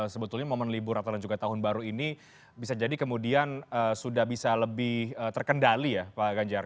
sebetulnya momen libur natal dan juga tahun baru ini bisa jadi kemudian sudah bisa lebih terkendali ya pak ganjar